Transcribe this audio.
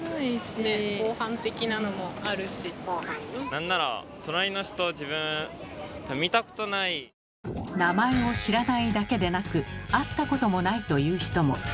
なんなら名前を知らないだけでなく会ったこともないという人も。